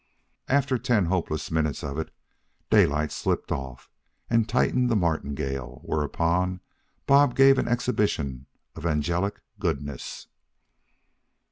After ten hopeless minutes of it, Daylight slipped off and tightened the martingale, whereupon Bob gave an exhibition of angelic goodness.